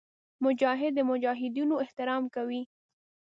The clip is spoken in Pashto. مجاهد د مجاهدینو احترام کوي.